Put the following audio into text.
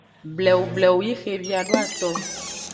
Blewu blewu yi xevi ado aton.